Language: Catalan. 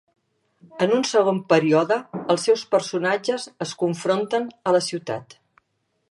En un segon període els seus personatges es confronten a la ciutat.